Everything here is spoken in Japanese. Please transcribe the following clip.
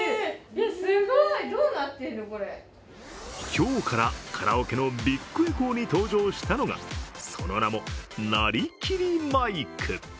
今日から、カラオケのビッグエコーに登場したのがその名も、なりきりマイク。